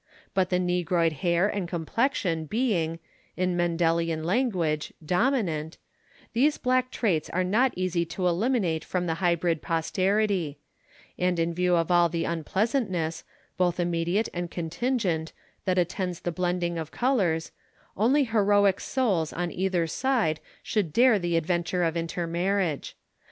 But the negroid hair and complexion being, in Mendelian language, "dominant," these black traits are not easy to eliminate from the hybrid posterity; and in view of all the unpleasantness, both immediate and contingent, that attends the blending of colours, only heroic souls on either side should dare the adventure of intermarriage.